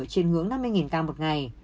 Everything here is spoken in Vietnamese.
trên ngưỡng năm mươi ca một ngày